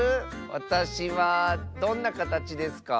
わたしはどんなかたちですか？